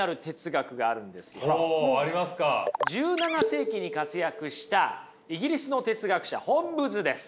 １７世紀に活躍したイギリスの哲学者ホッブズです。